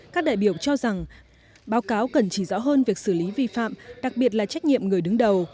các đại biểu cho rằng báo cáo cần chỉ rõ hơn việc xử lý vi phạm đặc biệt là trách nhiệm người đứng đầu